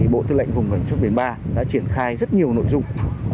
bộ tư lệnh vùng ngành sốc biển ba đã triển khai rất nhiều nội dung